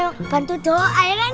ya kan kamu bantu doa ya kan